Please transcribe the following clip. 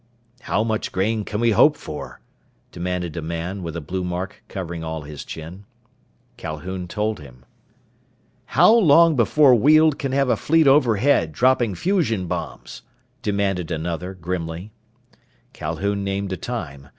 "How much grain can we hope for?" demanded a man with a blue mark covering all his chin. Calhoun told him. "How long before Weald can have a fleet overhead, dropping fusion bombs?" demanded another, grimly. Calhoun named a time.